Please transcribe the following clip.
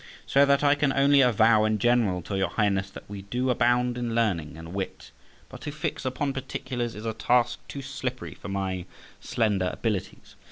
So that I can only avow in general to your Highness that we do abound in learning and wit, but to fix upon particulars is a task too slippery for my slender abilities.